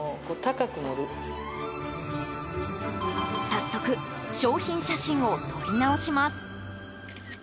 早速商品写真を撮り直します。